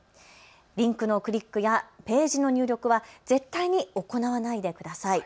リンクのクリックやページの入力は絶対に行わないでください。